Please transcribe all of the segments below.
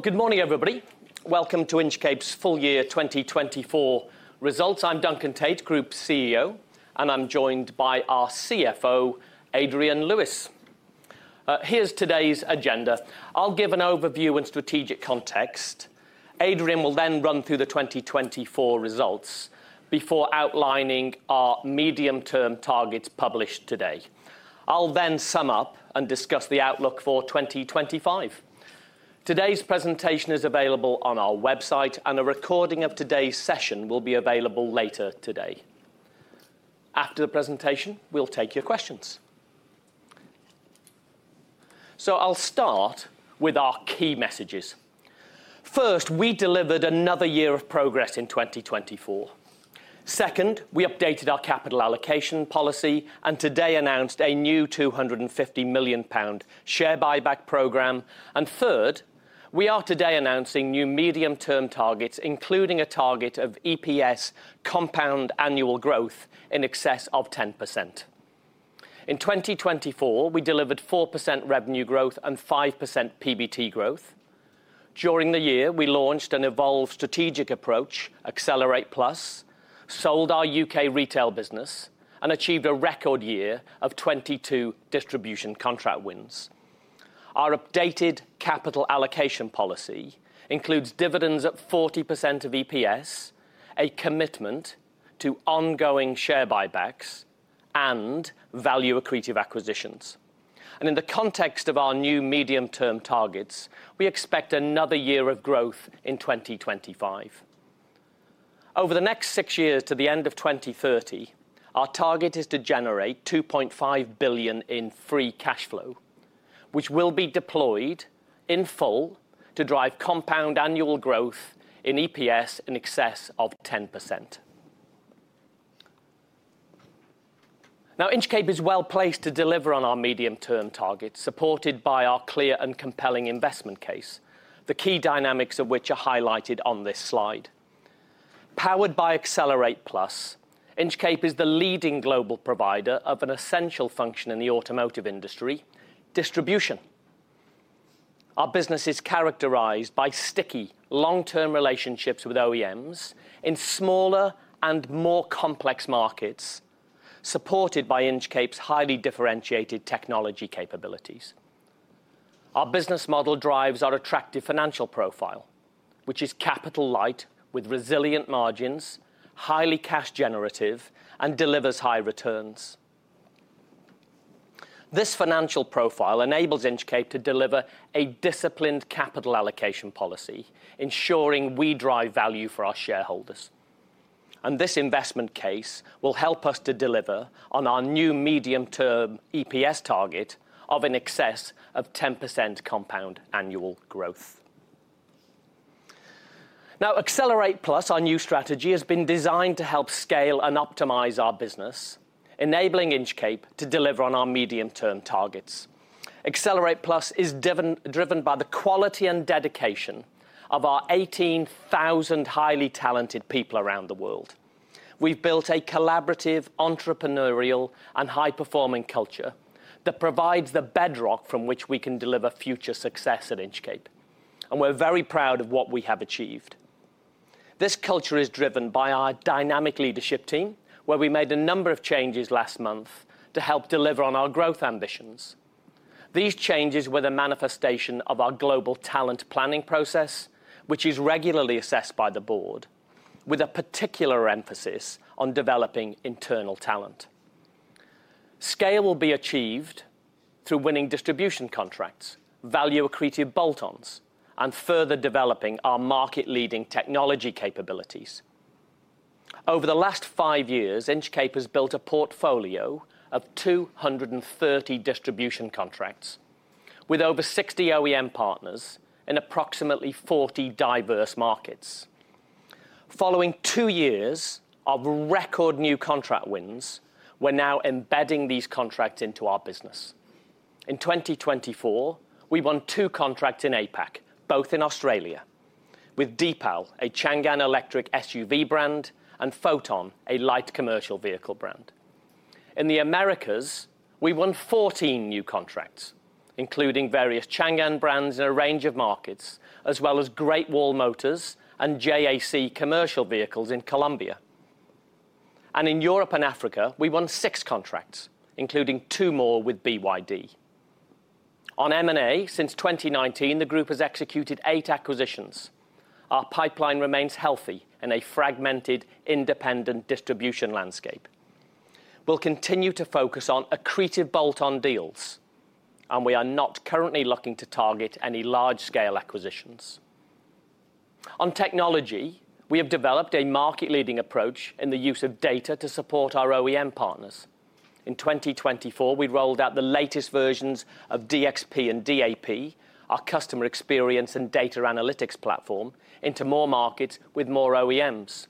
Good morning, everybody. Welcome to Inchcape's Full Year 2024 Results. I'm Duncan Tait, Group CEO, and I'm joined by our CFO, Adrian Lewis. Here's today's agenda. I'll give an overview and strategic context. Adrian will then run through the 2024 results before outlining our medium-term targets published today. I'll then sum up and discuss the outlook for 2025. Today's presentation is available on our website, and a recording of today's session will be available later today. After the presentation, we'll take your questions. I'll start with our key messages. First, we delivered another year of progress in 2024. Second, we updated our capital allocation policy and today announced a new 250 million pound share buyback program. Third, we are today announcing new medium-term targets, including a target of EPS compound annual growth in excess of 10%. In 2024, we delivered 4% revenue growth and 5% PBT growth. During the year, we launched an evolved strategic approach, Accelerate+, sold our U.K. retail business, and achieved a record year of 22 distribution contract wins. Our updated capital allocation policy includes dividends at 40% of EPS, a commitment to ongoing share buybacks, and value accretive acquisitions. In the context of our new medium-term targets, we expect another year of growth in 2025. Over the next six years to the end of 2030, our target is to generate 2.5 billion in free cash flow, which will be deployed in full to drive compound annual growth in EPS in excess of 10%. Now, Inchcape is well placed to deliver on our medium-term targets, supported by our clear and compelling investment case, the key dynamics of which are highlighted on this slide. Powered by Accelerate+, Inchcape is the leading global provider of an essential function in the automotive industry, distribution. Our business is characterized by sticky, long-term relationships with OEMs in smaller and more complex markets, supported by Inchcape's highly differentiated technology capabilities. Our business model drives our attractive financial profile, which is capital light with resilient margins, highly cash generative, and delivers high returns. This financial profile enables Inchcape to deliver a disciplined capital allocation policy, ensuring we drive value for our shareholders. This investment case will help us to deliver on our new medium-term EPS target of in excess of 10% compound annual growth. Now, Accelerate+, our new strategy, has been designed to help scale and optimize our business, enabling Inchcape to deliver on our medium-term targets. Accelerate+ is driven by the quality and dedication of our 18,000 highly talented people around the world. We've built a collaborative, entrepreneurial, and high-performing culture that provides the bedrock from which we can deliver future success at Inchcape. We're very proud of what we have achieved. This culture is driven by our dynamic leadership team, where we made a number of changes last month to help deliver on our growth ambitions. These changes were the manifestation of our global talent planning process, which is regularly assessed by the board, with a particular emphasis on developing internal talent. Scale will be achieved through winning distribution contracts, value accretive bolt-ons, and further developing our market-leading technology capabilities. Over the last five years, Inchcape has built a portfolio of 230 distribution contracts with over 60 OEM partners in approximately 40 diverse markets. Following two years of record new contract wins, we're now embedding these contracts into our business. In 2024, we won two contracts in APAC, both in Australia, with DEEPAL, a Changan Electric SUV brand, and Foton, a light commercial vehicle brand. In the Americas, we won 14 new contracts, including various Changan brands in a range of markets, as well as Great Wall Motor and JAC commercial vehicles in Colombia. And in Europe and Africa, we won six contracts, including two more with BYD. On M&A, since 2019, the group has executed eight acquisitions. Our pipeline remains healthy in a fragmented independent distribution landscape. We'll continue to focus on accretive bolt-on deals, and we are not currently looking to target any large-scale acquisitions. On technology, we have developed a market-leading approach in the use of data to support our OEM partners. In 2024, we rolled out the latest versions of DXP and DAP, our customer experience and data analytics platform, into more markets with more OEMs.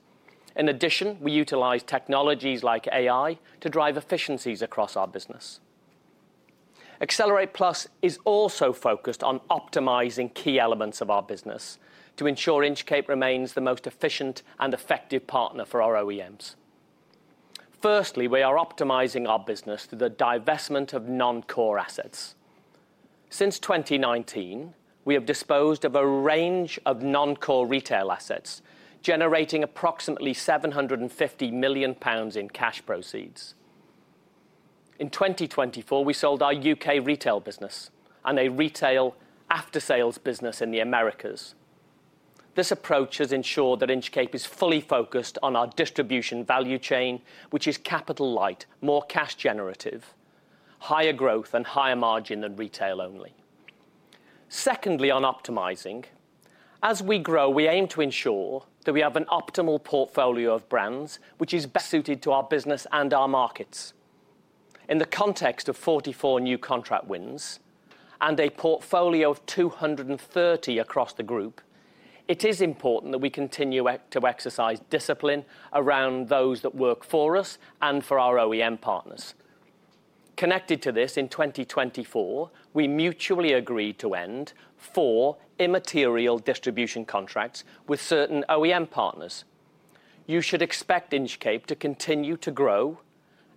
In addition, we utilize technologies like AI to drive efficiencies across our business. Accelerate+ is also focused on optimizing key elements of our business to ensure Inchcape remains the most efficient and effective partner for our OEMs. Firstly, we are optimizing our business through the divestment of non-core assets. Since 2019, we have disposed of a range of non-core retail assets, generating approximately 750 million pounds in cash proceeds. In 2024, we sold our U.K. retail business and a retail after-sales business in the Americas. This approach has ensured that Inchcape is fully focused on our distribution value chain, which is capital light, more cash generative, higher growth, and higher margin than retail only. Secondly, on optimizing, as we grow, we aim to ensure that we have an optimal portfolio of brands, which is best suited to our business and our markets. In the context of 44 new contract wins and a portfolio of 230 across the group, it is important that we continue to exercise discipline around those that work for us and for our OEM partners. Connected to this, in 2024, we mutually agreed to end four immaterial distribution contracts with certain OEM partners. You should expect Inchcape to continue to grow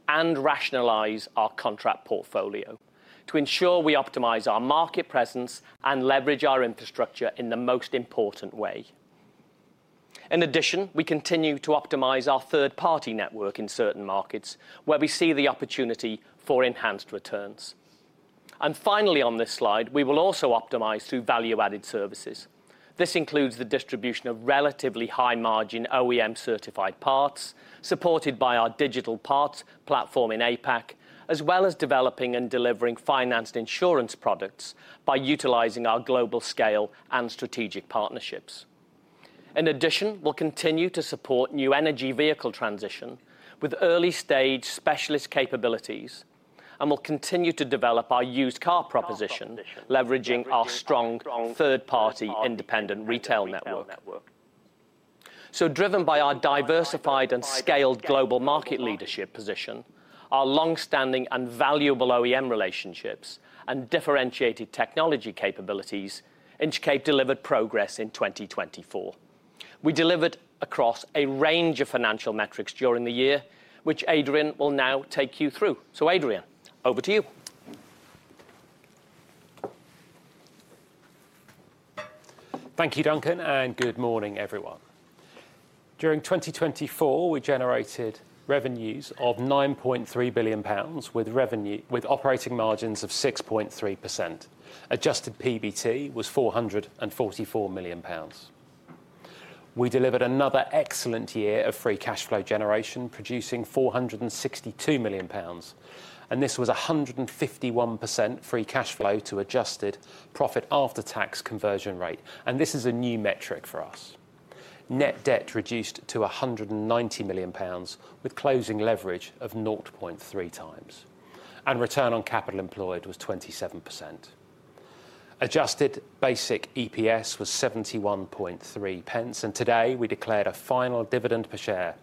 and rationalize our contract portfolio to ensure we optimize our market presence and leverage our infrastructure in the most important way. In addition, we continue to optimize our third-party network in certain markets where we see the opportunity for enhanced returns. Finally, on this slide, we will also optimize through value-added services. This includes the distribution of relatively high-margin OEM-certified parts supported by our digital parts platform in APAC, as well as developing and delivering finance and insurance products by utilizing our global scale and strategic partnerships. In addition, we'll continue to support new energy vehicle transition with early-stage specialist capabilities, and we'll continue to develop our used car proposition, leveraging our strong third-party independent retail network. So, driven by our diversified and scaled global market leadership position, our long-standing and valuable OEM relationships, and differentiated technology capabilities, Inchcape delivered progress in 2024. We delivered across a range of financial metrics during the year, which Adrian will now take you through. So, Adrian, over to you. Thank you, Duncan, and good morning, everyone. During 2024, we generated revenues of 9.3 billion pounds with operating margins of 6.3%. Adjusted PBT was 444 million pounds. We delivered another excellent year of free cash flow generation, producing 462 million pounds, and this was 151% free cash flow to adjusted profit after-tax conversion rate. And this is a new metric for us. Net debt reduced to 190 million pounds with closing leverage of 0.3 times, and return on capital employed was 27%. Adjusted basic EPS was 0.713, and today we declared a final dividend per share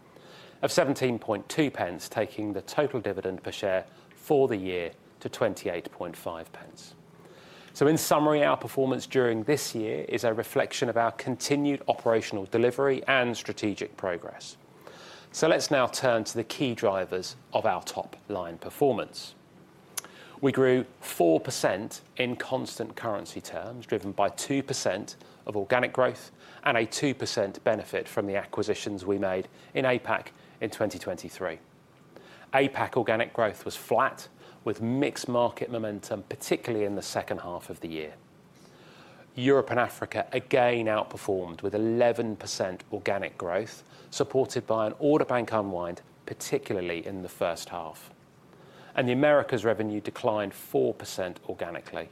of 0.172, taking the total dividend per share for the year to 0.285. So, in summary, our performance during this year is a reflection of our continued operational delivery and strategic progress. So, let's now turn to the key drivers of our top-line performance. We grew 4% in constant currency terms, driven by 2% of organic growth and a 2% benefit from the acquisitions we made in APAC in 2023. APAC organic growth was flat, with mixed market momentum, particularly in the second half of the year. Europe and Africa again outperformed with 11% organic growth, supported by an order bank unwind, particularly in the first half. The Americas' revenue declined 4% organically,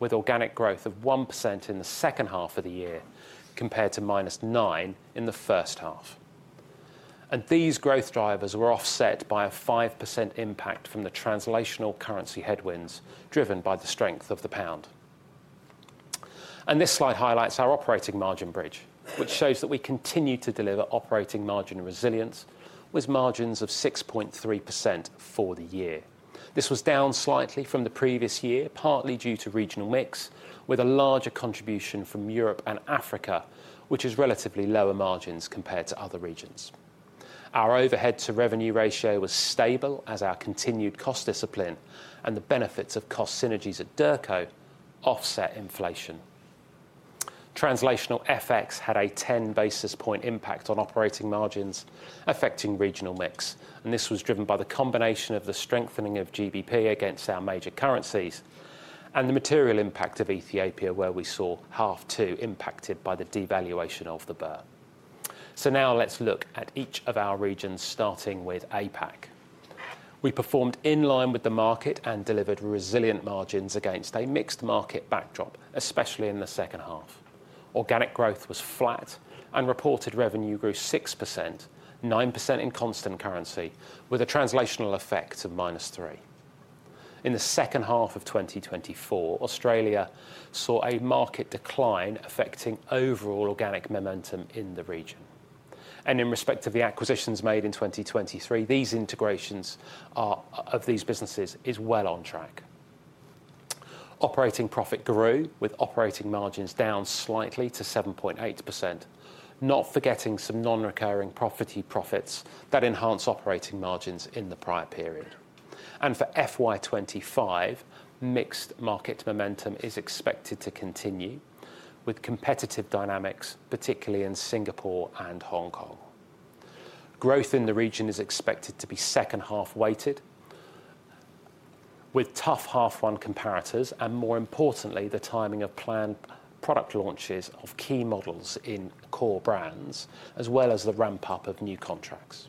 with organic growth of 1% in the second half of the year compared to -9% in the first half. These growth drivers were offset by a 5% impact from the translational currency headwinds driven by the strength of the pound. This slide highlights our operating margin bridge, which shows that we continue to deliver operating margin resilience with margins of 6.3% for the year. This was down slightly from the previous year, partly due to regional mix, with a larger contribution from Europe and Africa, which is relatively lower margins compared to other regions. Our overhead-to-revenue ratio was stable as our continued cost discipline and the benefits of cost synergies at Derco offset inflation. Translational FX had a 10 basis points impact on operating margins affecting regional mix, and this was driven by the combination of the strengthening of GBP against our major currencies and the material impact of Ethiopia, where we saw half two impacted by the devaluation of the Birr, so now let's look at each of our regions, starting with APAC. We performed in line with the market and delivered resilient margins against a mixed market backdrop, especially in the second half. Organic growth was flat, and reported revenue grew 6%, 9% in constant currency, with a translational effect of -3%. In the second half of 2024, Australia saw a market decline affecting overall organic momentum in the region. And in respect of the acquisitions made in 2023, these integrations of these businesses are well on track. Operating profit grew, with operating margins down slightly to 7.8%, not forgetting some non-recurring property profits that enhance operating margins in the prior period. And for FY 2025, mixed market momentum is expected to continue with competitive dynamics, particularly in Singapore and Hong Kong. Growth in the region is expected to be second half weighted, with tough half one comparators and, more importantly, the timing of planned product launches of key models in core brands, as well as the ramp-up of new contracts.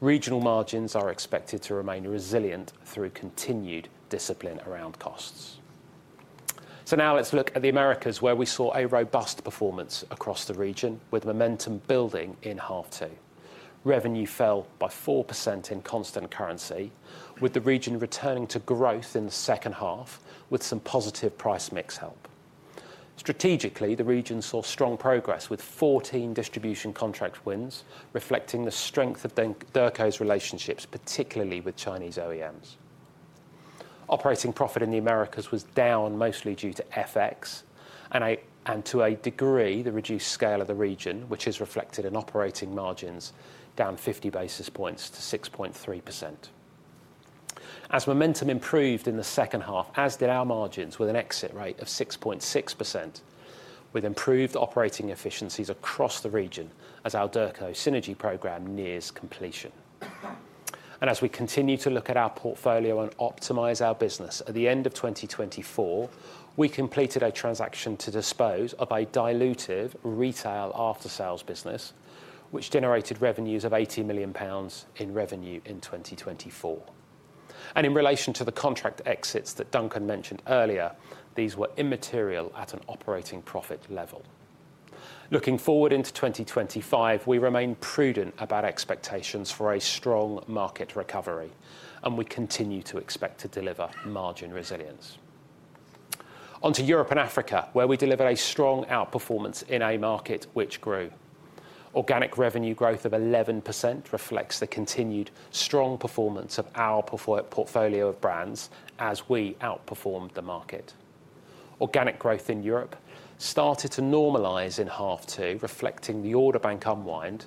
Regional margins are expected to remain resilient through continued discipline around costs. So now let's look at the Americas, where we saw a robust performance across the region with momentum building in half two. Revenue fell by 4% in constant currency, with the region returning to growth in the second half with some positive price mix help. Strategically, the region saw strong progress with 14 distribution contract wins, reflecting the strength of Derco's relationships, particularly with Chinese OEMs. Operating profit in the Americas was down mostly due to FX and, to a degree, the reduced scale of the region, which is reflected in operating margins down 50 basis points to 6.3%. As momentum improved in the second half, as did our margins with an exit rate of 6.6%, with improved operating efficiencies across the region as our Derco synergy program nears completion. And as we continue to look at our portfolio and optimize our business, at the end of 2024, we completed a transaction to dispose of a dilutive retail after-sales business, which generated revenues of 80 million pounds in revenue in 2024. And in relation to the contract exits that Duncan mentioned earlier, these were immaterial at an operating profit level. Looking forward into 2025, we remain prudent about expectations for a strong market recovery, and we continue to expect to deliver margin resilience. Onto Europe and Africa, where we delivered a strong outperformance in a market which grew. Organic revenue growth of 11% reflects the continued strong performance of our portfolio of brands as we outperformed the market. Organic growth in Europe started to normalize in half two, reflecting the order bank unwind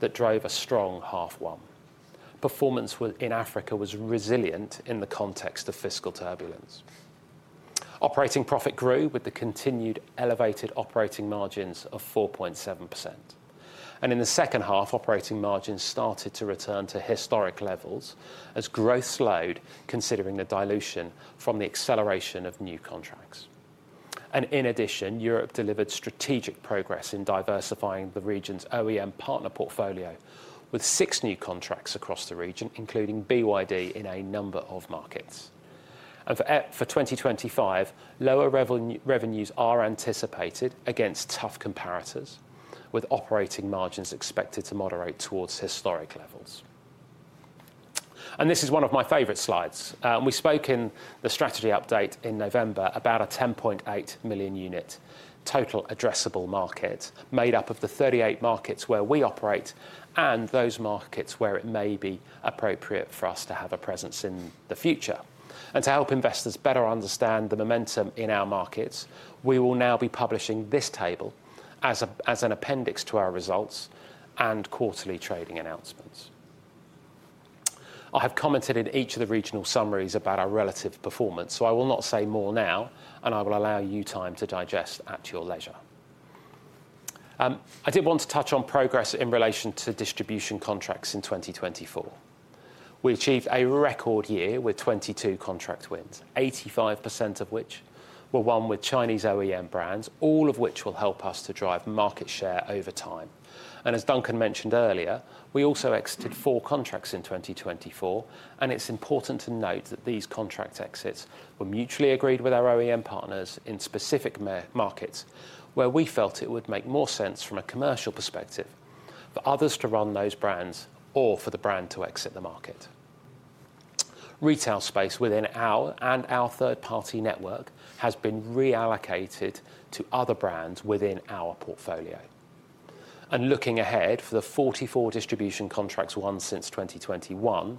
that drove a strong half one. Performance in Africa was resilient in the context of fiscal turbulence. Operating profit grew with the continued elevated operating margins of 4.7%. And in the second half, operating margins started to return to historic levels as growth slowed, considering the dilution from the acceleration of new contracts. And in addition, Europe delivered strategic progress in diversifying the region's OEM partner portfolio with six new contracts across the region, including BYD in a number of markets. And for 2025, lower revenues are anticipated against tough comparators, with operating margins expected to moderate towards historic levels. And this is one of my favorite slides. We spoke in the strategy update in November about a 10.8 million unit total addressable market made up of the 38 markets where we operate and those markets where it may be appropriate for us to have a presence in the future. And to help investors better understand the momentum in our markets, we will now be publishing this table as an appendix to our results and quarterly trading announcements. I have commented in each of the regional summaries about our relative performance, so I will not say more now, and I will allow you time to digest at your leisure. I did want to touch on progress in relation to distribution contracts in 2024. We achieved a record year with 22 contract wins, 85% of which were won with Chinese OEM brands, all of which will help us to drive market share over time. As Duncan mentioned earlier, we also exited four contracts in 2024, and it's important to note that these contract exits were mutually agreed with our OEM partners in specific markets where we felt it would make more sense from a commercial perspective for others to run those brands or for the brand to exit the market. Retail space within our and our third-party network has been reallocated to other brands within our portfolio. Looking ahead for the 44 distribution contracts won since 2021,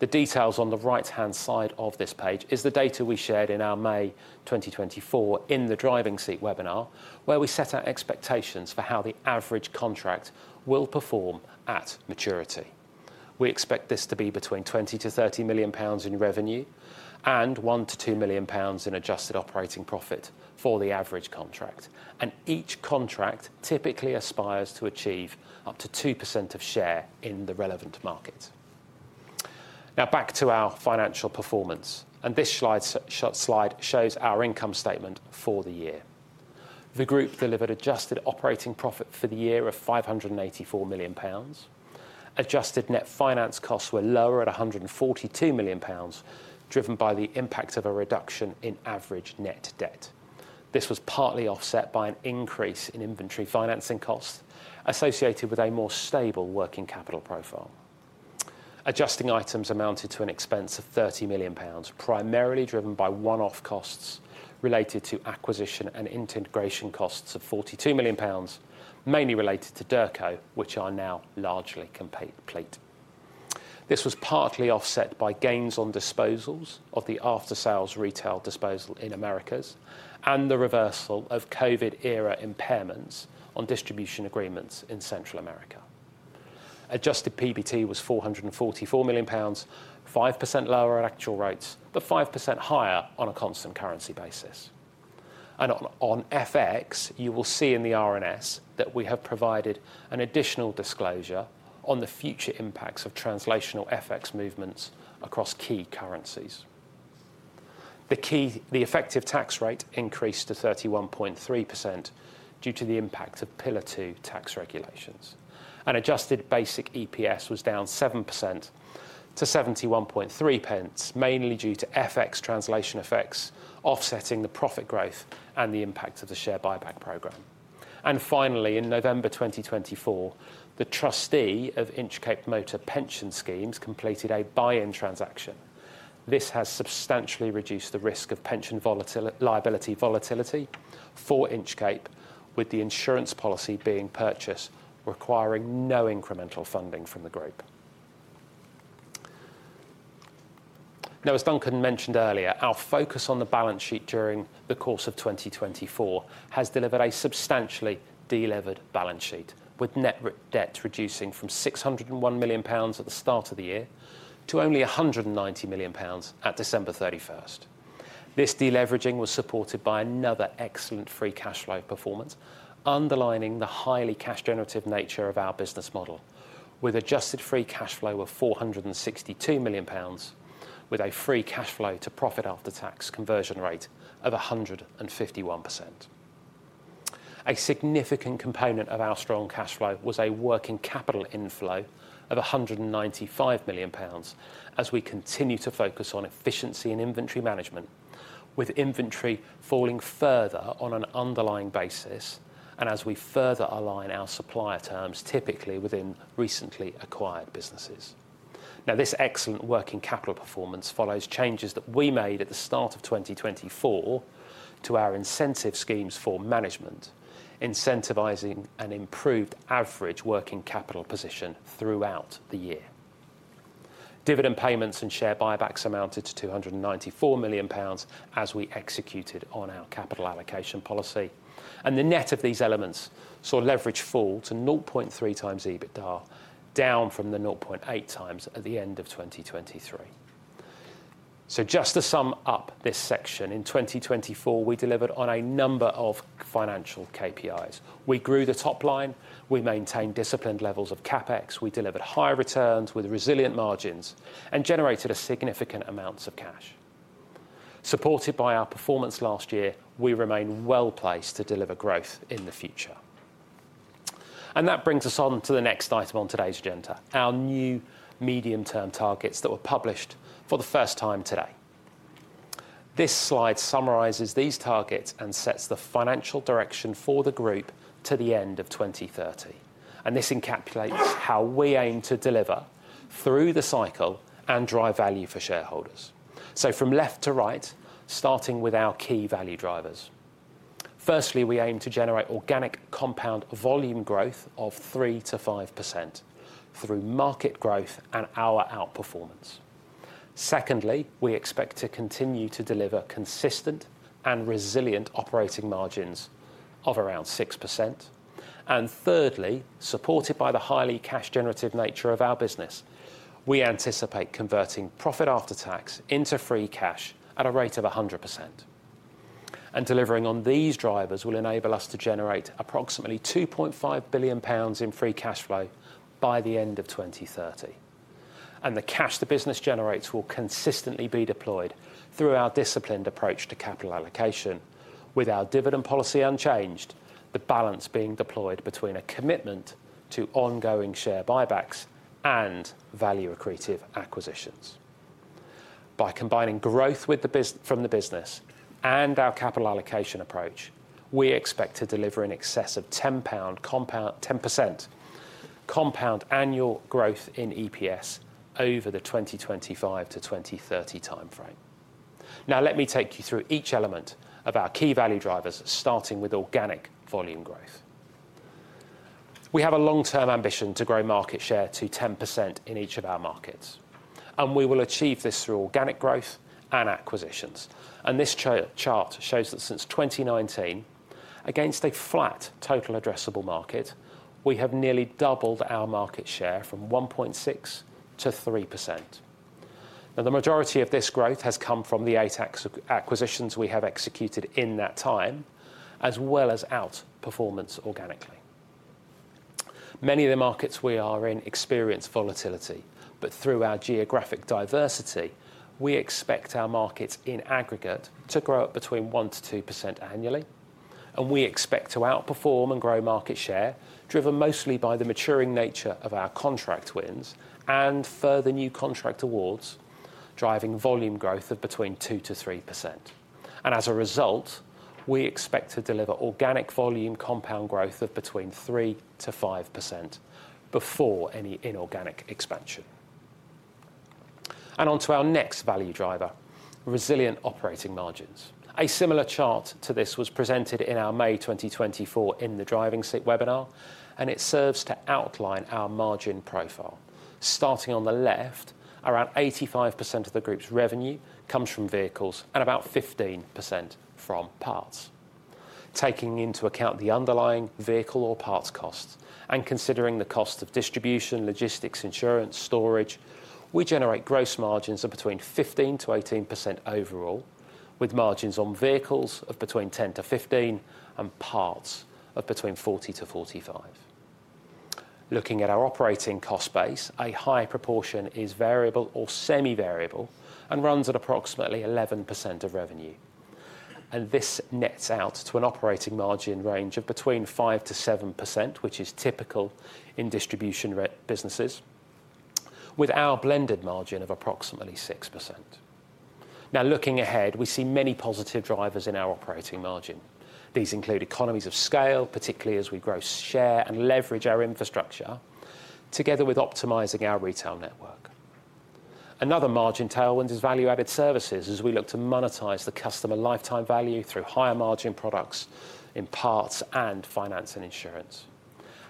the details on the right-hand side of this page is the data we shared in our May 2024 In the Driving Seat webinar, where we set out expectations for how the average contract will perform at maturity. We expect this to be between 20 million-30 million pounds in revenue and 1 million-2 million pounds in adjusted operating profit for the average contract. Each contract typically aspires to achieve up to 2% of share in the relevant market. Now, back to our financial performance. This slide shows our income statement for the year. The group delivered adjusted operating profit for the year of 584 million pounds. Adjusted net finance costs were lower at 142 million pounds, driven by the impact of a reduction in average net debt. This was partly offset by an increase in inventory financing costs associated with a more stable working capital profile. Adjusting items amounted to an expense of 30 million pounds, primarily driven by one-off costs related to acquisition and integration costs of 42 million pounds, mainly related to Derco, which are now largely complete. This was partly offset by gains on disposals of the after-sales retail disposal in Americas and the reversal of COVID-era impairments on distribution agreements in Central America. Adjusted PBT was 444 million pounds, 5% lower at actual rates, but 5% higher on a constant currency basis. And on FX, you will see in the R&S that we have provided an additional disclosure on the future impacts of translational FX movements across key currencies. The effective tax rate increased to 31.3% due to the impact of Pillar Two tax regulations. And adjusted basic EPS was down 7% to 0.713, mainly due to FX translation effects offsetting the profit growth and the impact of the share buyback program. And finally, in November 2024, the trustee of Inchcape Motors Pension Scheme completed a buy-in transaction. This has substantially reduced the risk of pension liability volatility for Inchcape, with the insurance policy being purchased, requiring no incremental funding from the group. Now, as Duncan mentioned earlier, our focus on the balance sheet during the course of 2024 has delivered a substantially delivered balance sheet, with net debt reducing from 601 million pounds at the start of the year to only 190 million pounds at December 31st. This deleveraging was supported by another excellent free cash flow performance, underlining the highly cash-generative nature of our business model, with adjusted free cash flow of 462 million pounds, with a free cash flow to profit after-tax conversion rate of 151%. A significant component of our strong cash flow was a working capital inflow of 195 million pounds as we continue to focus on efficiency in inventory management, with inventory falling further on an underlying basis and as we further align our supplier terms, typically within recently acquired businesses. Now, this excellent working capital performance follows changes that we made at the start of 2024 to our incentive schemes for management, incentivizing an improved average working capital position throughout the year. Dividend payments and share buybacks amounted to 294 million pounds as we executed on our capital allocation policy. And the net of these elements saw leverage fall to 0.3 times EBITDA, down from the 0.8 times at the end of 2023. So just to sum up this section, in 2024, we delivered on a number of financial KPIs. We grew the top line. We maintained disciplined levels of CapEx. We delivered high returns with resilient margins and generated significant amounts of cash. Supported by our performance last year, we remain well placed to deliver growth in the future. That brings us on to the next item on today's agenda, our new medium-term targets that were published for the first time today. This slide summarizes these targets and sets the financial direction for the group to the end of 2030. This encapsulates how we aim to deliver through the cycle and drive value for shareholders. From left to right, starting with our key value drivers. Firstly, we aim to generate organic compound volume growth of 3%-5% through market growth and our outperformance. Secondly, we expect to continue to deliver consistent and resilient operating margins of around 6%. Thirdly, supported by the highly cash-generative nature of our business, we anticipate converting profit after-tax into free cash at a rate of 100%. Delivering on these drivers will enable us to generate approximately 2.5 billion pounds in free cash flow by the end of 2030. And the cash the business generates will consistently be deployed through our disciplined approach to capital allocation, with our dividend policy unchanged, the balance being deployed between a commitment to ongoing share buybacks and value-accretive acquisitions. By combining growth from the business and our capital allocation approach, we expect to deliver in excess of 10% compound annual growth in EPS over the 2025-2030 timeframe. Now, let me take you through each element of our key value drivers, starting with organic volume growth. We have a long-term ambition to grow market share to 10% in each of our markets. And we will achieve this through organic growth and acquisitions. And this chart shows that since 2019, against a flat total addressable market, we have nearly doubled our market share from 1.6% to 3%. Now, the majority of this growth has come from the eight acquisitions we have executed in that time, as well as outperformance organically. Many of the markets we are in experience volatility, but through our geographic diversity, we expect our markets in aggregate to grow up between 1%-2% annually. And we expect to outperform and grow market share, driven mostly by the maturing nature of our contract wins and further new contract awards, driving volume growth of between 2%-3%. And as a result, we expect to deliver organic volume compound growth of between 3%-5% before any inorganic expansion. And onto our next value driver, resilient operating margins. A similar chart to this was presented in our May 2024 In the Driving Seat webinar, and it serves to outline our margin profile. Starting on the left, around 85% of the group's revenue comes from vehicles and about 15% from parts. Taking into account the underlying vehicle or parts costs and considering the cost of distribution, logistics, insurance, storage, we generate gross margins of between 15%-18% overall, with margins on vehicles of between 10%-15% and parts of between 40%-45%. Looking at our operating cost base, a high proportion is variable or semi-variable and runs at approximately 11% of revenue. This nets out to an operating margin range of between 5%-7%, which is typical in distribution businesses, with our blended margin of approximately 6%. Now, looking ahead, we see many positive drivers in our operating margin. These include economies of scale, particularly as we grow share and leverage our infrastructure, together with optimizing our retail network. Another margin tailwind is value-added services as we look to monetize the customer lifetime value through higher margin products in parts and finance and insurance.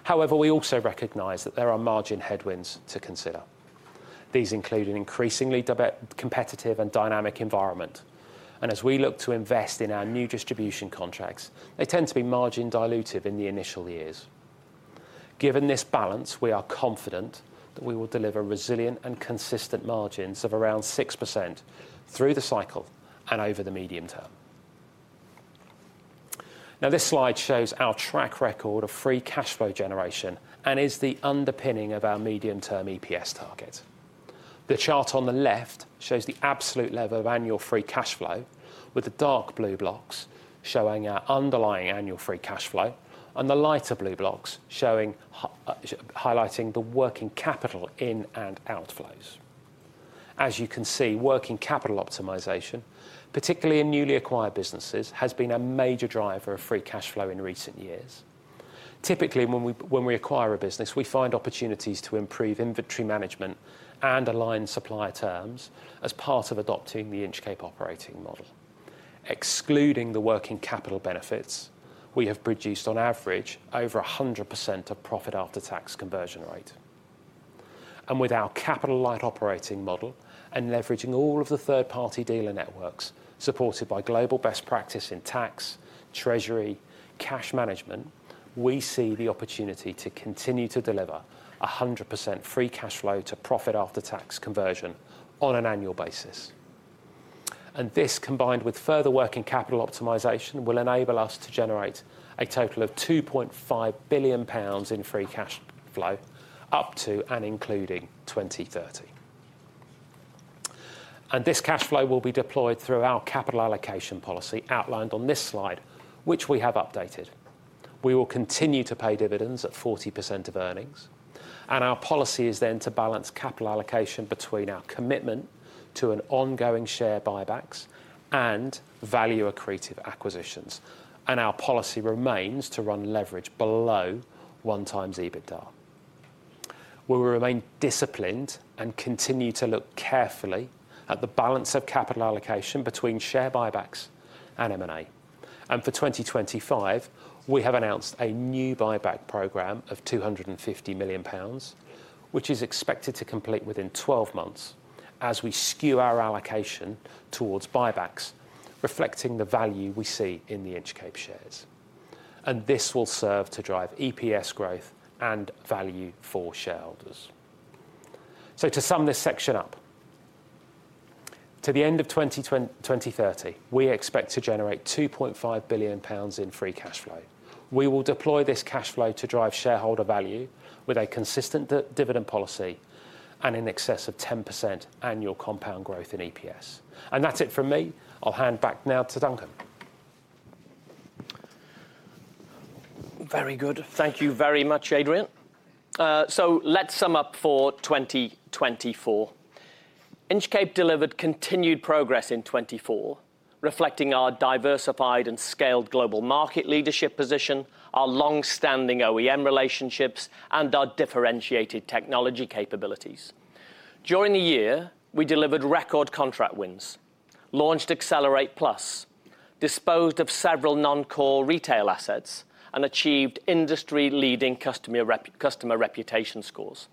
However, we also recognize that there are margin headwinds to consider. These include an increasingly competitive and dynamic environment, and as we look to invest in our new distribution contracts, they tend to be margin-dilutive in the initial years. Given this balance, we are confident that we will deliver resilient and consistent margins of around 6% through the cycle and over the medium term. Now, this slide shows our track record of free cash flow generation and is the underpinning of our medium-term EPS target. The chart on the left shows the absolute level of annual free cash flow, with the dark blue blocks showing our underlying annual free cash flow and the lighter blue blocks highlighting the working capital in and outflows. As you can see, working capital optimization, particularly in newly acquired businesses, has been a major driver of free cash flow in recent years. Typically, when we acquire a business, we find opportunities to improve inventory management and align supplier terms as part of adopting the Inchcape operating model. Excluding the working capital benefits, we have produced on average over 100% of profit after-tax conversion rate. And with our capital-light operating model and leveraging all of the third-party dealer networks supported by global best practice in tax, treasury, cash management, we see the opportunity to continue to deliver 100% free cash flow to profit after-tax conversion on an annual basis. And this, combined with further working capital optimization, will enable us to generate a total of 2.5 billion pounds in free cash flow up to and including 2030. This cash flow will be deployed through our capital allocation policy outlined on this slide, which we have updated. We will continue to pay dividends at 40% of earnings. Our policy is then to balance capital allocation between our commitment to an ongoing share buybacks and value-accretive acquisitions. Our policy remains to run leverage below one times EBITDA. We will remain disciplined and continue to look carefully at the balance of capital allocation between share buybacks and M&A. For 2025, we have announced a new buyback program of 250 million pounds, which is expected to complete within 12 months as we skew our allocation towards buybacks, reflecting the value we see in the Inchcape shares. This will serve to drive EPS growth and value for shareholders. To sum this section up, to the end of 2030, we expect to generate 2.5 billion pounds in free cash flow. We will deploy this cash flow to drive shareholder value with a consistent dividend policy and in excess of 10% annual compound growth in EPS. And that's it from me. I'll hand back now to Duncan. Very good. Thank you very much, Adrian. So let's sum up for 2024. Inchcape delivered continued progress in 2024, reflecting our diversified and scaled global market leadership position, our long-standing OEM relationships, and our differentiated technology capabilities. During the year, we delivered record contract wins, launched Accelerate+, disposed of several non-core retail assets, and achieved industry-leading customer reputation scores.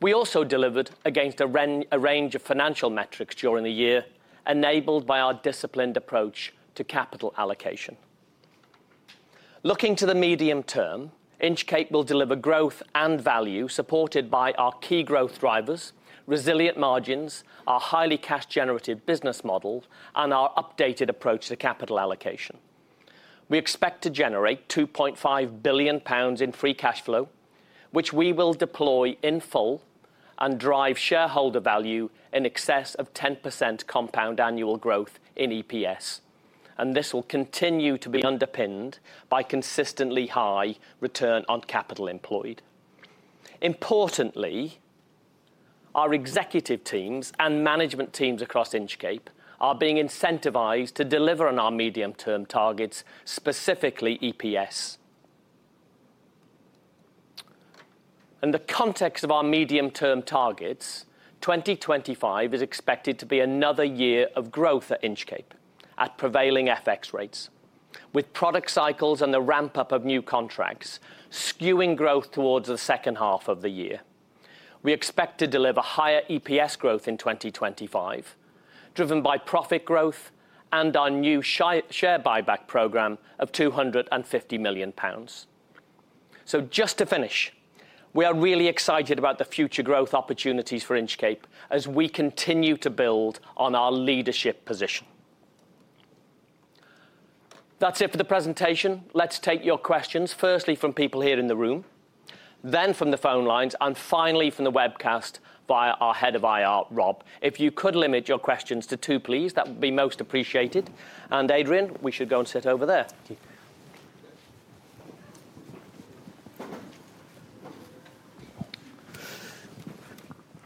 We also delivered against a range of financial metrics during the year, enabled by our disciplined approach to capital allocation. Looking to the medium term, Inchcape will deliver growth and value supported by our key growth drivers, resilient margins, our highly cash-generative business model, and our updated approach to capital allocation. We expect to generate 2.5 billion pounds in free cash flow, which we will deploy in full and drive shareholder value in excess of 10% compound annual growth in EPS. This will continue to be underpinned by consistently high return on capital employed. Importantly, our executive teams and management teams across Inchcape are being incentivized to deliver on our medium-term targets, specifically EPS. In the context of our medium-term targets, 2025 is expected to be another year of growth at Inchcape at prevailing FX rates, with product cycles and the ramp-up of new contracts skewing growth towards the second half of the year. We expect to deliver higher EPS growth in 2025, driven by profit growth and our new share buyback program of 250 million pounds. So just to finish, we are really excited about the future growth opportunities for Inchcape as we continue to build on our leadership position. That's it for the presentation. Let's take your questions, firstly from people here in the room, then from the phone lines, and finally from the webcast via our head of IR, Rob. If you could limit your questions to two, please, that would be most appreciated. And Adrian, we should go and sit over there.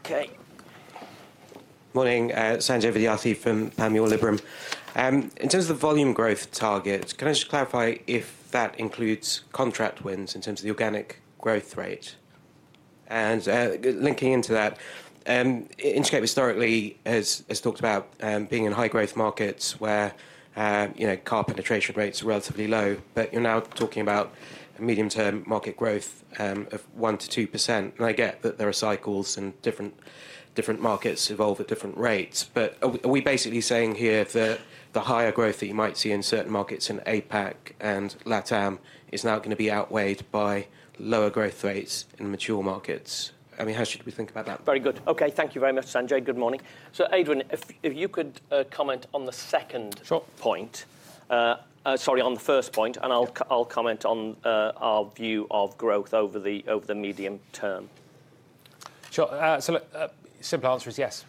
Okay. Morning, Sanjay Vidyarthi from Panmure Liberum. In terms of the volume growth target, can I just clarify if that includes contract wins in terms of the organic growth rate? And linking into that, Inchcape historically has talked about being in high-growth markets where car penetration rates are relatively low, but you're now talking about medium-term market growth of 1%-2%. And I get that there are cycles and different markets evolve at different rates, but are we basically saying here that the higher growth that you might see in certain markets in APAC and LATAM is now going to be outweighed by lower growth rates in mature markets? I mean, how should we think about that? Very good. Okay. Thank you very much, Sanjay. Good morning. So Adrian, if you could comment on the second point, sorry, on the first point, and I'll comment on our view of growth over the medium term. Sure. So the simple answer is yes.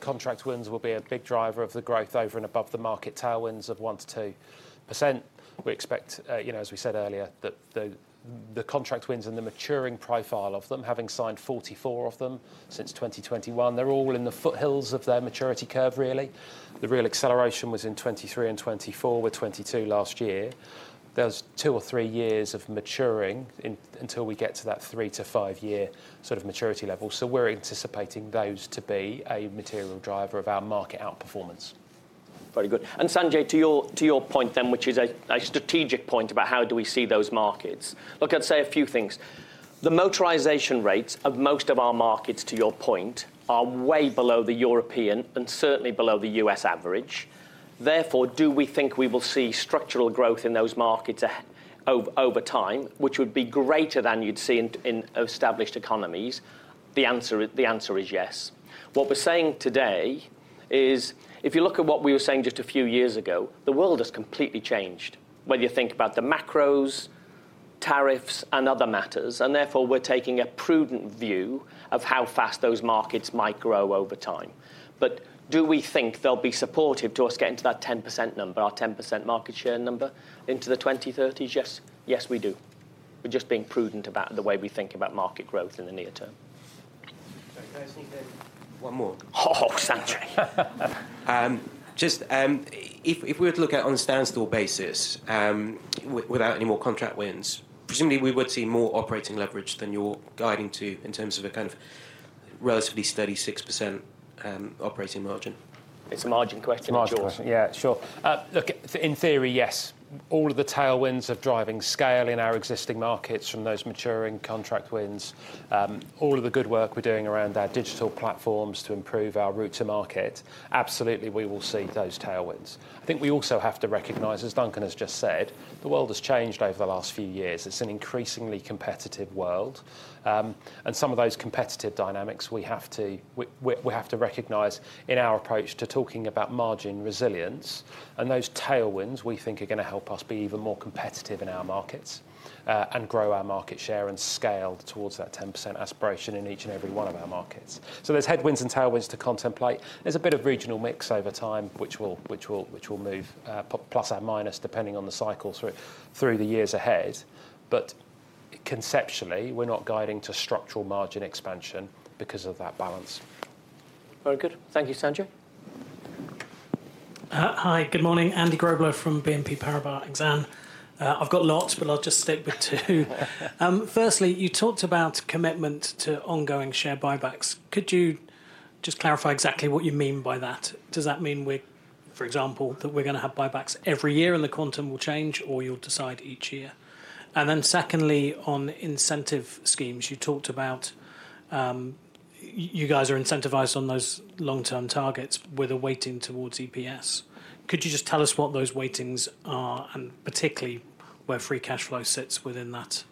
Contract wins will be a big driver of the growth over and above the market tailwinds of 1%-2%. We expect, as we said earlier, that the contract wins and the maturing profile of them, having signed 44 of them since 2021, they're all in the foothills of their maturity curve, really. The real acceleration was in 2023 and 2024, with 2022 last year. There's two or three years of maturing until we get to that three to five-year sort of maturity level. So we're anticipating those to be a material driver of our market outperformance. Very good. And Sanjay, to your point then, which is a strategic point about how do we see those markets, look, I'd say a few things. The motorization rates of most of our markets, to your point, are way below the European and certainly below the U.S. average. Therefore, do we think we will see structural growth in those markets over time, which would be greater than you'd see in established economies? The answer is yes. What we're saying today is, if you look at what we were saying just a few years ago, the world has completely changed, whether you think about the macros, tariffs, and other matters. And therefore, we're taking a prudent view of how fast those markets might grow over time. But do we think they'll be supportive to us getting to that 10% number, our 10% market share number into the 2030s? Yes, yes, we do. We're just being prudent about the way we think about market growth in the near term. Can I just need one more? Oh, Sanjay. Just if we were to look at it on a standstill basis without any more contract wins, presumably we would see more operating leverage than you're guiding to in terms of a kind of relatively steady 6% operating margin? It's a margin question. sure. Yeah, sure. Look, in theory, yes. All of the tailwinds of driving scale in our existing markets from those maturing contract wins, all of the good work we're doing around our digital platforms to improve our route to market, absolutely, we will see those tailwinds. I think we also have to recognize, as Duncan has just said, the world has changed over the last few years. It's an increasingly competitive world. And some of those competitive dynamics, we have to recognize in our approach to talking about margin resilience. Those tailwinds, we think, are going to help us be even more competitive in our markets and grow our market share and scale towards that 10% aspiration in each and every one of our markets. There's headwinds and tailwinds to contemplate. There's a bit of regional mix over time, which will move, plus or minus, depending on the cycle through the years ahead. Conceptually, we're not guiding to structural margin expansion because of that balance. Very good. Thank you, Sanjay. Hi, good morning. Andy Grobler from BNP Paribas Exane. I've got lots, but I'll just stick with two. Firstly, you talked about commitment to ongoing share buybacks. Could you just clarify exactly what you mean by that? Does that mean, for example, that we're going to have buybacks every year and the quantum will change, or you'll decide each year? Then secondly, on incentive schemes, you talked about you guys are incentivized on those long-term targets with a weighting towards EPS. Could you just tell us what those weightings are and particularly where free cash flow sits within that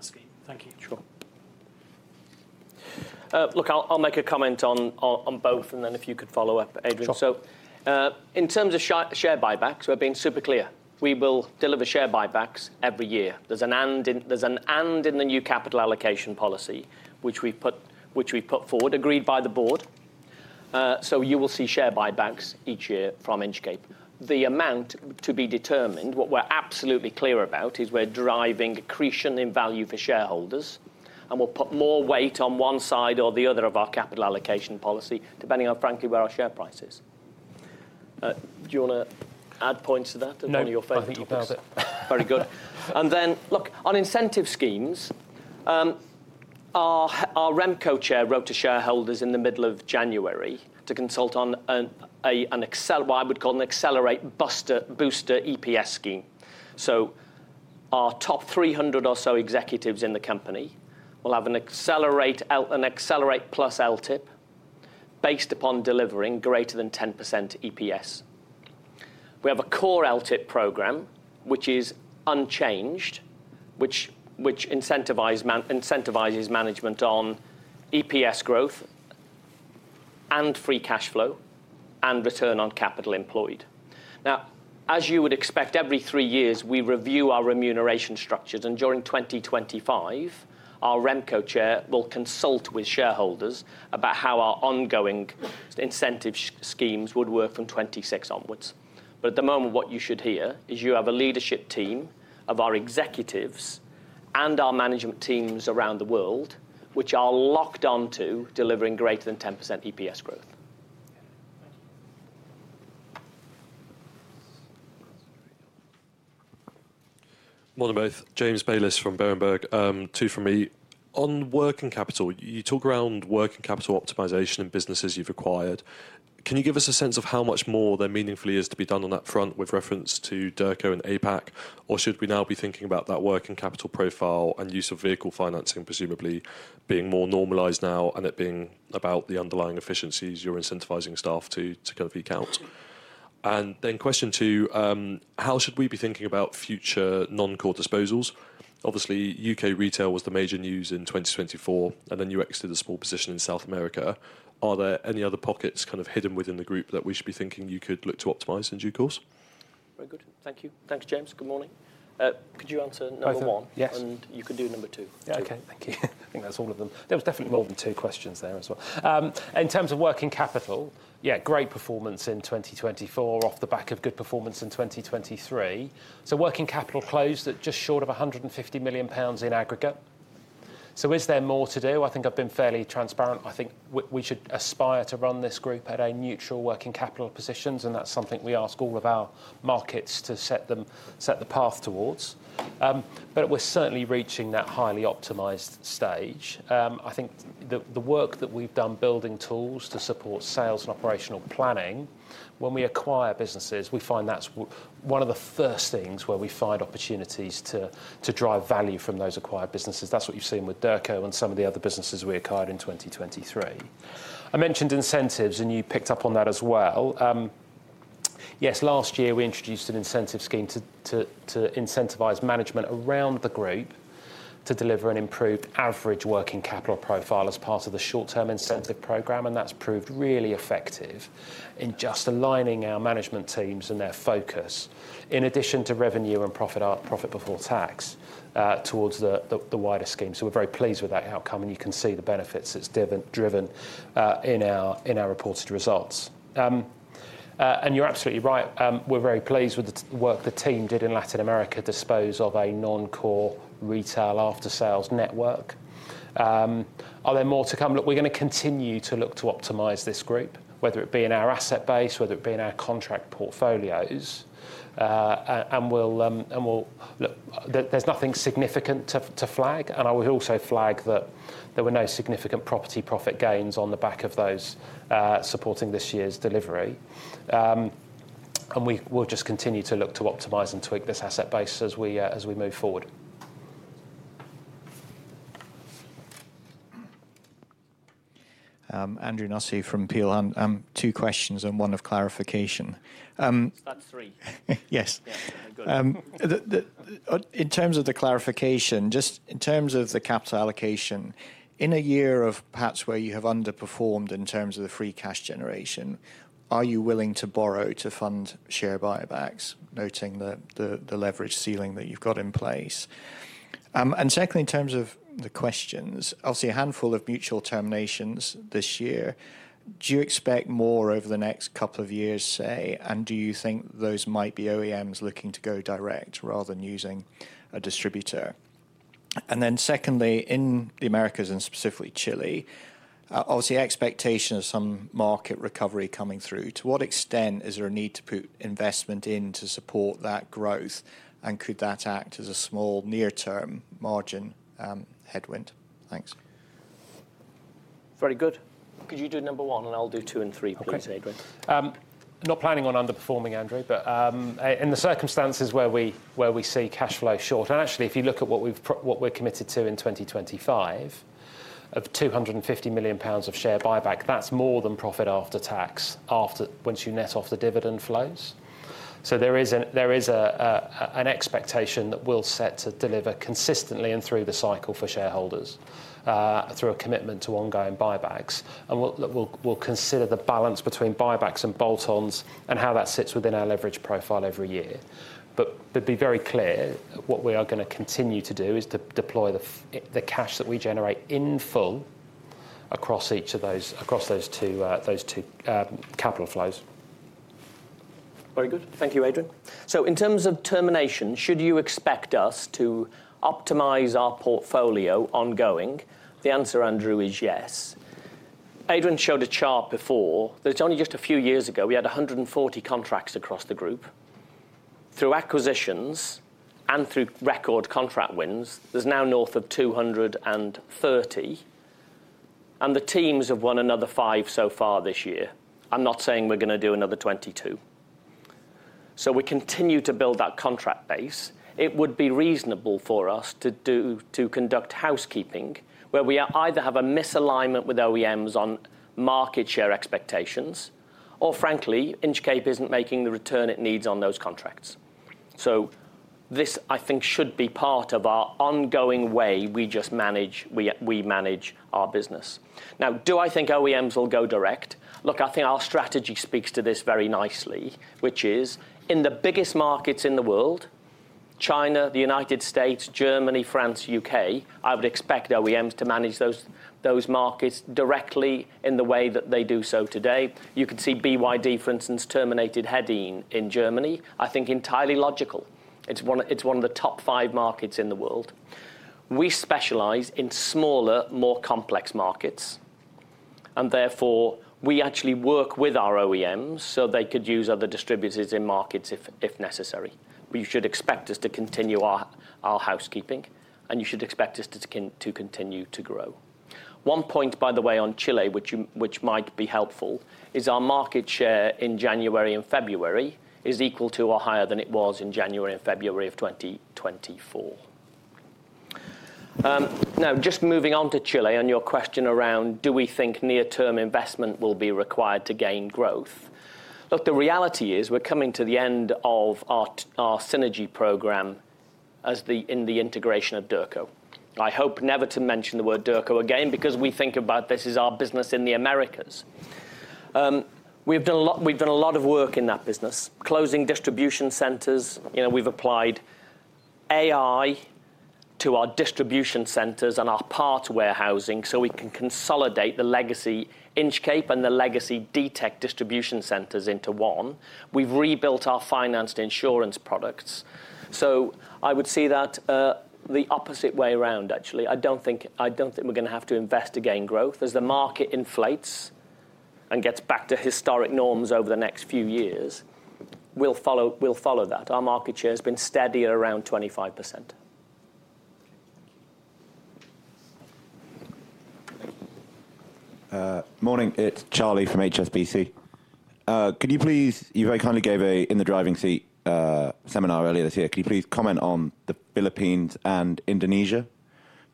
scheme? Thank you. Sure. Look, I'll make a comment on both, and then if you could follow up, Adrian. In terms of share buybacks, we're being super clear. We will deliver share buybacks every year. There's intent in the new capital allocation policy, which we've put forward, agreed by the board. So you will see share buybacks each year from Inchcape. The amount to be determined, what we're absolutely clear about, is we're driving accretion in value for shareholders, and we'll put more weight on one side or the other of our capital allocation policy, depending on, frankly, where our share price is. Do you want to add points to that? No, I think you've got it. Very good. Then, look, on incentive schemes, our RemCo chair, wrote to shareholders in the middle of January to consult on what I would call an Accelerate booster EPS scheme. So our top 300 or so executives in the company will have an Accelerate+ LTIP based upon delivering greater than 10% EPS. We have a core LTIP program, which is unchanged, which incentivizes management on EPS growth and free cash flow and return on capital employed. Now, as you would expect, every three years, we review our remuneration structures. And during 2025, our RemCo chair will consult with shareholders about how our ongoing incentive schemes would work from 2026 onwards. But at the moment, what you should hear is you have a leadership team of our executives and our management teams around the world, which are locked onto delivering greater than 10% EPS growth. Morning both. James Bayliss from Berenberg. Two from me. On working capital, you talk around working capital optimization in businesses you've acquired. Can you give us a sense of how much more there meaningfully is to be done on that front with reference to Derco and APAC, or should we now be thinking about that working capital profile and use of vehicle financing, presumably being more normalized now and it being about the underlying efficiencies you're incentivizing staff to kind of eke out? And then question two, how should we be thinking about future non-core disposals? Obviously, U.K. retail was the major news in 2024, and then you exited a small position in South America. Are there any other pockets kind of hidden within the group that we should be thinking you could look to optimize in due course? Very good. Thank you. Thanks, James. Good morning. Could you answer number one? Yes. And you could do number two. Okay. Thank you. I think that's all of them. There was definitely more than two questions there as well. In terms of working capital, yeah, great performance in 2024 off the back of good performance in 2023. So working capital closed at just short of 150 million pounds in aggregate. So is there more to do? I think I've been fairly transparent. I think we should aspire to run this group at a neutral working capital positions, and that's something we ask all of our markets to set the path towards. But we're certainly reaching that highly optimized stage. I think the work that we've done building tools to support sales and operational planning. When we acquire businesses, we find that's one of the first things where we find opportunities to drive value from those acquired businesses. That's what you've seen with Derco and some of the other businesses we acquired in 2023. I mentioned incentives, and you picked up on that as well. Yes, last year, we introduced an incentive scheme to incentivize management around the group to deliver an improved average working capital profile as part of the short-term incentive program, and that's proved really effective in just aligning our management teams and their focus, in addition to revenue and profit before tax towards the wider scheme. So we're very pleased with that outcome, and you can see the benefits it's driven in our reported results, and you're absolutely right. We're very pleased with the work the team did in Latin America dispose of a non-core retail after-sales network. Are there more to come? Look, we're going to continue to look to optimize this group, whether it be in our asset base, whether it be in our contract portfolios. And look, there's nothing significant to flag, and I would also flag that there were no significant property profit gains on the back of those supporting this year's delivery. And we'll just continue to look to optimize and tweak this asset base as we move forward. Andrew Nussey from Peel Hunt. Two questions and one of clarification. That's three. Yes. In terms of the clarification, just in terms of the capital allocation, in a year of perhaps where you have underperformed in terms of the free cash generation, are you willing to borrow to fund share buybacks, noting the leverage ceiling that you've got in place? And secondly, in terms of the questions, I'll see a handful of mutual terminations this year. Do you expect more over the next couple of years, say, and do you think those might be OEMs looking to go direct rather than using a distributor? And then secondly, in the Americas and specifically Chile, obviously, expectation of some market recovery coming through. To what extent is there a need to put investment in to support that growth, and could that act as a small near-term margin headwind? Thanks. Very good. Could you do number one, and I'll do two and three, please, Adrian? Not planning on underperforming, Andrew, but in the circumstances where we see cash flow short, and actually, if you look at what we're committed to in 2025 of 250 million pounds of share buyback, that's more than profit after tax once you net off the dividend flows. So there is an expectation that we'll set to deliver consistently and through the cycle for shareholders through a commitment to ongoing buybacks. And we'll consider the balance between buybacks and bolt-ons and how that sits within our leverage profile every year. But be very clear, what we are going to continue to do is to deploy the cash that we generate in full across those two capital flows. Very good. Thank you, Adrian. So in terms of termination, should you expect us to optimize our portfolio ongoing? The answer, Andrew, is yes. Adrian showed a chart before. It's only just a few years ago, we had 140 contracts across the group. Through acquisitions and through record contract wins, there's now north of 230, and the teams have won another five so far this year. I'm not saying we're going to do another 22. So we continue to build that contract base. It would be reasonable for us to conduct housekeeping where we either have a misalignment with OEMs on market share expectations, or frankly, Inchcape isn't making the return it needs on those contracts. So this, I think, should be part of our ongoing way we just manage our business. Now, do I think OEMs will go direct? Look, I think our strategy speaks to this very nicely, which is in the biggest markets in the world, China, the United States, Germany, France, U.K. I would expect OEMs to manage those markets directly in the way that they do so today. You can see BYD, for instance, terminated Hedin in Germany. I think entirely logical. It's one of the top five markets in the world. We specialize in smaller, more complex markets. And therefore, we actually work with our OEMs so they could use other distributors in markets if necessary. But you should expect us to continue our housekeeping, and you should expect us to continue to grow. One point, by the way, on Chile, which might be helpful, is our market share in January and February is equal to or higher than it was in January and February of 2024. Now, just moving on to Chile and your question around, do we think near-term investment will be required to gain growth? Look, the reality is we're coming to the end of our synergy program in the integration of Derco. I hope never to mention the word Derco again because we think about this as our business in the Americas. We've done a lot of work in that business, closing distribution centers. We've applied AI to our distribution centers and our parts warehousing so we can consolidate the legacy Inchcape and the legacy Ditec distribution centers into one. We've rebuilt our finance and insurance products. So I would see that the opposite way around, actually. I don't think we're going to have to invest to gain growth. As the market inflates and gets back to historic norms over the next few years, we'll follow that. Our market share has been steady at around 25%. Morning. It's Charlie from HSBC. Could you please, you very kindly gave an In the Driving Seat seminar earlier this year. Could you please comment on the Philippines and Indonesia?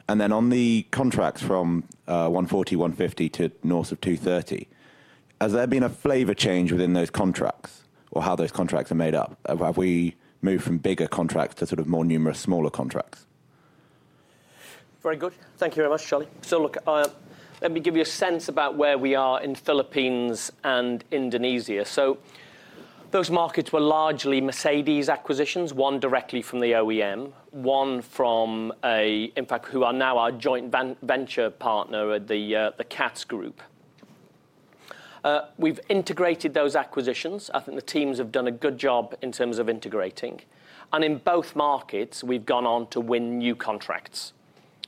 And then on the contracts from 140, 150 to north of 230, has there been a flavor change within those contracts or how those contracts are made up? Have we moved from bigger contracts to sort of more numerous smaller contracts? Very good. Thank you very much, Charlie. So look, let me give you a sense about where we are in Philippines and Indonesia. So those markets were largely Mercedes acquisitions, one directly from the OEM, one from a, in fact, who are now our joint venture partner at the CATS Group. We've integrated those acquisitions. I think the teams have done a good job in terms of integrating. In both markets, we've gone on to win new contracts,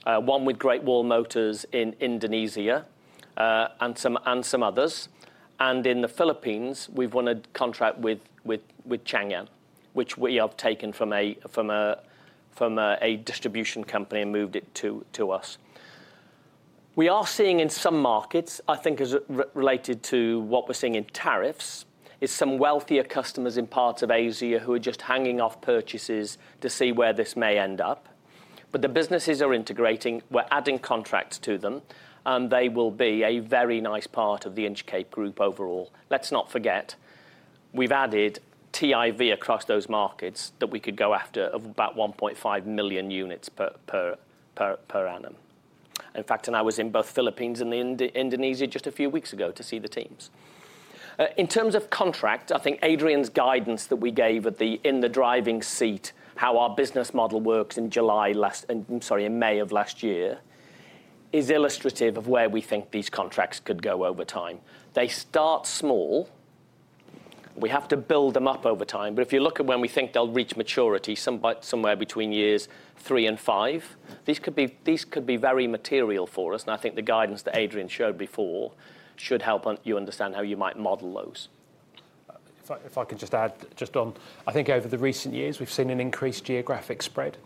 one with Great Wall Motor in Indonesia and some others. In the Philippines, we've won a contract with Changan, which we have taken from a distribution company and moved it to us. We are seeing in some markets, I think as related to what we're seeing in tariffs, is some wealthier customers in parts of Asia who are just holding off purchases to see where this may end up. But the businesses are integrating. We're adding contracts to them, and they will be a very nice part of the Inchcape group overall. Let's not forget, we've added TIV across those markets that we could go after of about 1.5 million units per annum. In fact, I was in both Philippines and Indonesia just a few weeks ago to see the teams. In terms of contracts, I think Adrian's guidance that we gave at the in-the-driving seat, how our business model works in July last, sorry, in May of last year, is illustrative of where we think these contracts could go over time. They start small. We have to build them up over time. But if you look at when we think they'll reach maturity, somewhere between years three and five, these could be very material for us. And I think the guidance that Adrian showed before should help you understand how you might model those. If I could just add on, I think over the recent years, we've seen an increased geographic spread.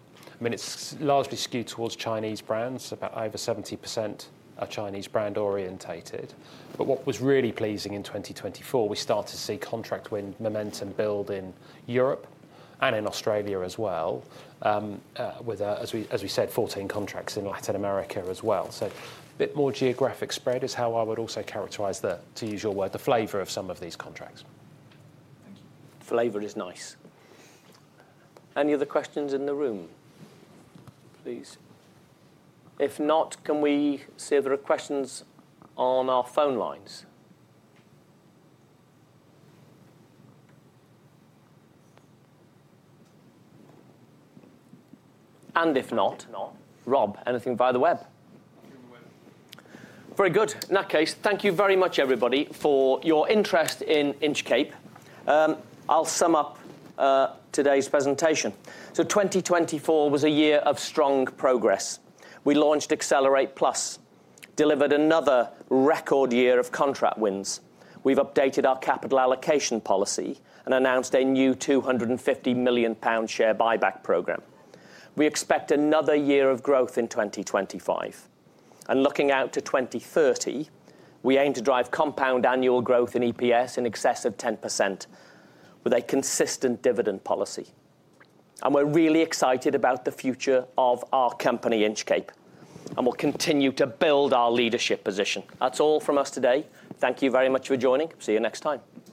I mean, it's largely skewed towards Chinese brands. About over 70% are Chinese brand oriented. But what was really pleasing in 2024, we started to see contract win momentum build in Europe and in Australia as well, as we said, 14 contracts in Latin America as well. So a bit more geographic spread is how I would also characterize the, to use your word, the flavor of some of these contracts. Flavor is nice. Any other questions in the room, please? If not, can we see if there are questions on our phone lines? And if not, Rob, anything via the web? Very good. In that case, thank you very much, everybody, for your interest in Inchcape. I'll sum up today's presentation. So 2024 was a year of strong progress. We launched Accelerate+, delivered another record year of contract wins. We've updated our capital allocation policy and announced a new 250 million pound share buyback program. We expect another year of growth in 2025. And looking out to 2030, we aim to drive compound annual growth in EPS in excess of 10% with a consistent dividend policy. And we're really excited about the future of our company, Inchcape, and we'll continue to build our leadership position. That's all from us today. Thank you very much for joining. See you next time.